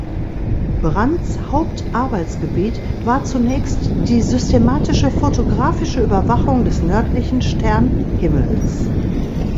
Brandts Hauptarbeitsgebiet war zunächst die systematische fotografische Überwachung des nördlichen Sternhimmels.